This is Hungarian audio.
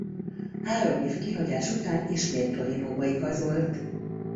Három év kihagyás után ismét Torinóba igazolt.